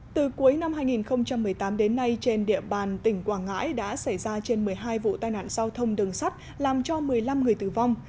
từ cuối năm hai nghìn một mươi tám đến nay trên địa bàn tỉnh quảng ngãi đã xảy ra trên một mươi hai vụ tai nạn giao thông đường sắt làm cho một mươi năm người tử vong